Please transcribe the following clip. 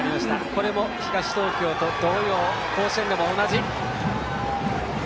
これも東東京と同様甲子園でも同じ。